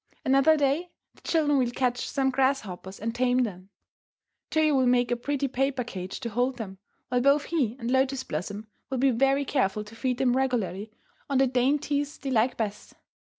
Another day the children will catch some grasshoppers and tame them. Toyo will make a pretty paper cage to hold them, while both he and Lotus Blossom will be very careful to feed them regularly on the dainties they like best.